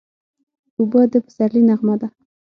اوبه د پسرلي نغمه ده.